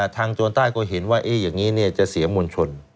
โจรใต้ก็เห็นว่าอย่างนี้จะเสียมวลชน